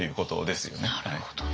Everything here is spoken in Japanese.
なるほどね。